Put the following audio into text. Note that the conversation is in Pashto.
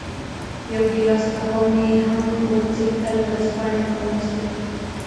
یو ګیلاس قهوه مې هم وڅېښل، ورځپاڼې مې ولوستې.